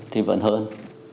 thì vẫn hơn